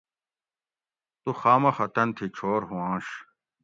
تو خامخہ تن تھی چھور ھوانش